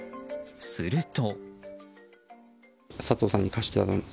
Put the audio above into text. すると。